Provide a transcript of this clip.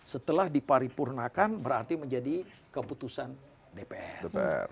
setelah diparipurnakan berarti menjadi keputusan dpr